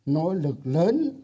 nỗ lực lớn